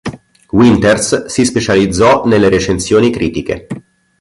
Winters si specializzò nelle recensioni critiche.